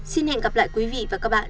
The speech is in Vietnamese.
xin hẹn gặp lại quý vị và các bạn